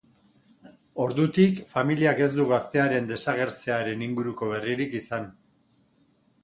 Ordutik, familiak ez du gaztearen desagertzearen inguruko berririk izan.